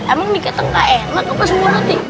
emang dikit enggak enak apa semua roti